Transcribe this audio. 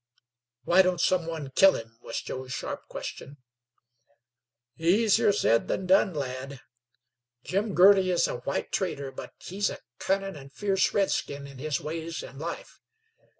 "Why don't some one kill him?" was Joe's sharp question. "Easier said than done, lad. Jim Girty is a white traitor, but he's a cunnin' an' fierce redskin in his ways an' life.